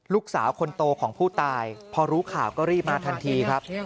ลูกสาวคนโตของผู้ตายพอรู้ข่าวก็รีบมาทันทีครับ